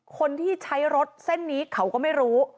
คนที่ใช้รถเส้นนี้เขาก็ไม่รู้